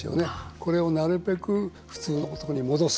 これをなるべく普通のところに戻す。